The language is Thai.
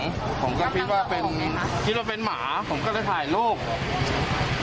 ผมก็คิดว่าเป็นคิดว่าเป็นหมาผมก็เลยถ่ายรูป